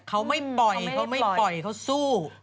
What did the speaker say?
เขาไม่ปล่อยเขาสู้